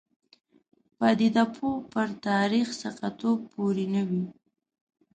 پدیده پوه پر تاریخي ثقه توب پورې نه وي.